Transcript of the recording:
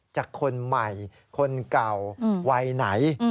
จากคนใหม่คนเก่าวัยไหน